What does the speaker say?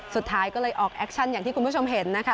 สุดท้ายก็เลยออกแอคชั่นอย่างที่คุณผู้ชมเห็นนะคะ